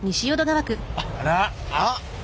あっ。